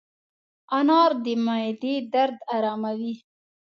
انار د معدې درد اراموي.